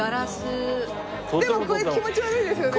でもこれ気持ち悪いですよね。